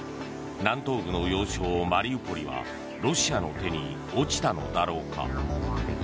南東部の要衝マリウポリはロシアの手に落ちたのだろうか。